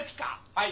はい。